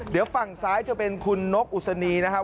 เดี๋ยวฝั่งซ้ายจะเป็นคุณนกอุศนีนะครับ